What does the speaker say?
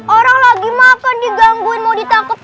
orang lagi makan digangguin mau ditakut